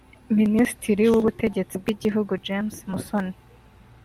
minisitiri w’ubutegetsi bw’igihugu James Musoni